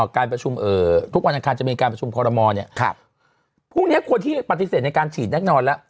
การประชุมทุกวันอังคารจะมีการประชุมคอรมอลเนี่ยพรุ่งนี้คนที่ปฏิเสธในการฉีดแน่นอนแล้ว